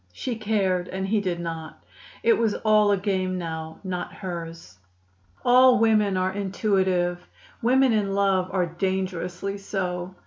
She cared, and he did not. It was all a game now, not hers. All women are intuitive; women in love are dangerously so.